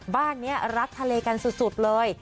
บ้านนี้รักทะเลกันสุดเลย